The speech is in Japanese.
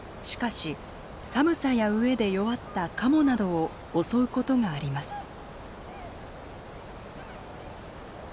しかし寒さや飢えで弱ったカモなどを襲うことがあります。